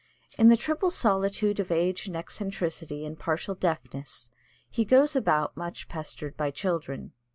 In the triple solitude of age and eccentricity and partial deafness he goes about much pestered by children.